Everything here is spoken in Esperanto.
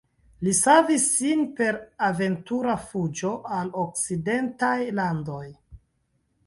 Li savis sin per aventura fuĝo al okcidentaj landoj.